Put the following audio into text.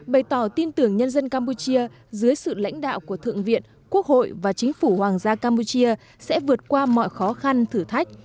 bày tỏ tin tưởng nhân dân campuchia dưới sự lãnh đạo của thượng viện quốc hội và chính phủ hoàng gia campuchia sẽ vượt qua mọi khó khăn thử thách